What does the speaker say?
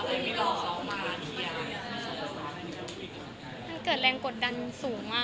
ตอนที่เอาน้องออกนี่เกี่ยวกับกว่า